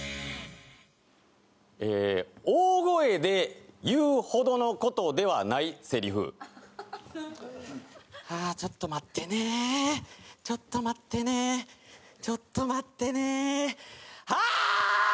え大声で言うほどのことではないセリフはちょっと待ってねちょっと待ってねちょっと待ってねはい！